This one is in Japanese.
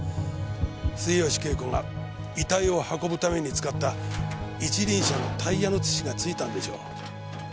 末吉恵子が遺体を運ぶために使った一輪車のタイヤの土が付いたんでしょう。